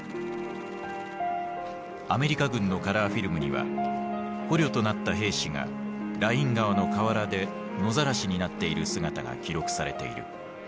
アメリカ軍のカラーフィルムには捕虜となった兵士がライン川の河原で野ざらしになっている姿が記録されている。